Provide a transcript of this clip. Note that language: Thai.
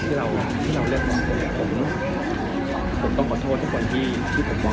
กลับผมต้องขอโทษทุกคนที่เปลี่ยนปล่อย